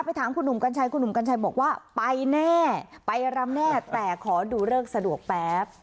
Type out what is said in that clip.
ไปถามคุณหนุ่มกัญชัยบอกว่าไปแน่ไปรัมแน่แต่ขอดูเริ่มสะดวกแป๊บ